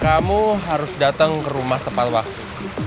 kamu harus datang ke rumah tepat waktu